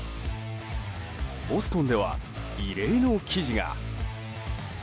ボストンでは異例の記事が。